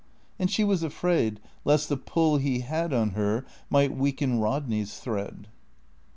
And she was afraid lest the pull he had on her might weaken Rodney's thread.